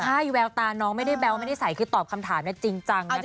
ใช่แววตาน้องไม่ได้แบ๊วไม่ได้ใส่คือตอบคำถามจริงจังนะคะ